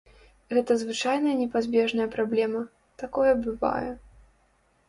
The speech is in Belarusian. Гэта звычайная непазбежная праблема, такое бывае.